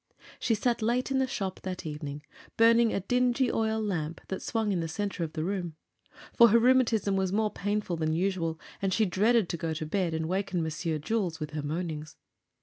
She sat late in the shop that evening, burning a dingy oil lamp that swung in the center of the room. For her rheumatism was more painful than usual, and she dreaded to go to bed and waken Monsieur Jules with her moanings.